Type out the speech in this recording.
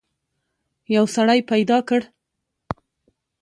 یو سړی پیدا کړ.